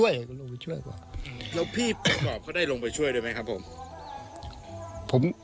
แล้วพี่ประกอบเขาได้ลงไปช่วยด้วยไหมครับผม